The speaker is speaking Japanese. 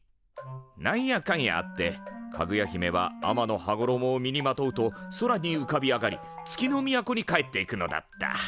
なんやかんやあってかぐや姫は天の羽衣を身にまとうと宙にうかびあがり月の都に帰っていくのだった。